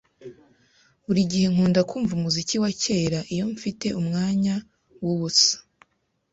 Buri gihe nkunda kumva umuziki wa kera iyo mfite umwanya wubusa.